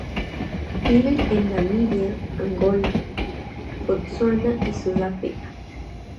Viven en Namibia, Angola, Botsuana y Sudáfrica.